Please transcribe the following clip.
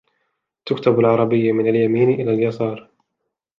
تكتب العربية من اليمين إلى اليسار.